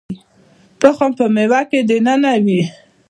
تخم په مېوه کې دننه وي